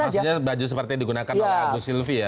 maksudnya baju seperti yang digunakan oleh agus silvi ya